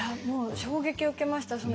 もう衝撃を受けました。